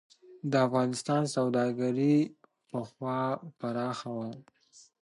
د افغانستان سوداګري پخوا پراخه وه.